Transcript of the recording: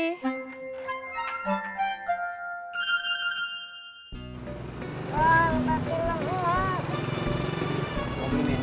bang ntar film buat